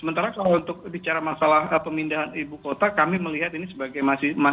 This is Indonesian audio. sementara kalau untuk bicara masalah pemindahan ibu kota kami melihat ini sebagai masih masalah